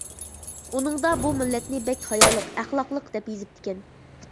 ئۇنىڭدا بۇ مىللەتنى بەك ھايالىق، ئەخلاقلىق دەپ يېزىپتىكەن.